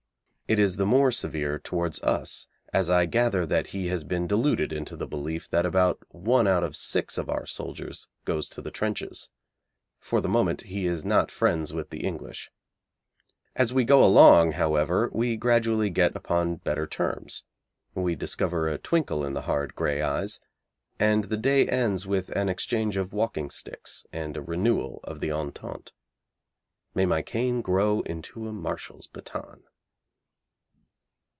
It is the more severe towards us as I gather that he has been deluded into the belief that about one out of six of our soldiers goes to the trenches. For the moment he is not friends with the English. As we go along, however, we gradually get upon better terms, we discover a twinkle in the hard, grey eyes, and the day ends with an exchange of walking sticks and a renewal of the Entente. May my cane grow into a marshal's baton.